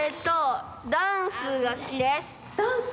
ダンス？